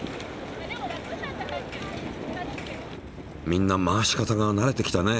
みんな回し方が慣れてきたね。